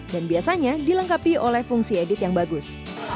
dan biasanya dilengkapi oleh fungsi edit yang bagus